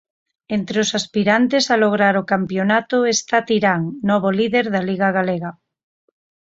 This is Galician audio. Entre os aspirantes a lograr o Campionato está Tirán, novo líder da Liga galega.